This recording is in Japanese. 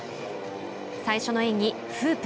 最初の演技フープ。